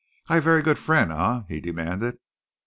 "I ver' good fren'? Eh?" he demanded.